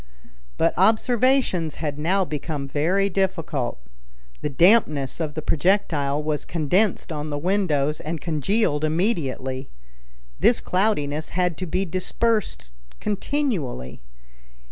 But observations had now become very difficult. the dampness of the projectile was condensed on the windows and congealed immediately. This cloudiness had to be dispersed continually.